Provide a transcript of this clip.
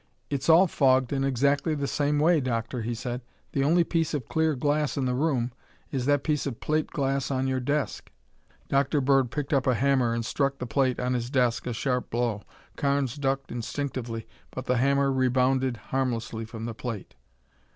"It's all fogged in exactly the same way, Doctor," he said. "The only piece of clear glass in the room is that piece of plate glass on your desk." Dr. Bird picked up a hammer and struck the plate on his desk a sharp blow. Carnes ducked instinctively, but the hammer rebounded harmlessly from the plate.